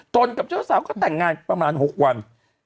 กับเจ้าสาวก็แต่งงานประมาณ๖วัน